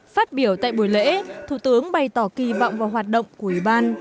phát biểu tại buổi lễ thủ tướng bày tỏ kỳ vọng vào hoạt động của ủy ban